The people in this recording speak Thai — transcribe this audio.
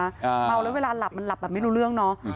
เมาแล้วเวลาหลับมันหลับแบบไม่รู้เรื่องเนาะ